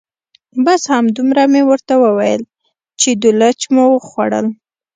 بس همدومره مې ورته وویل چې دولچ مو وخوړل.